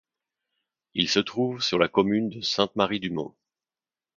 Il se trouve sur la commune de Sainte-Marie-du-Mont.